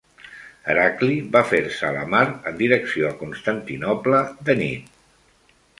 Heracli va fer-se a la mar en direcció a Constantinoble de nit.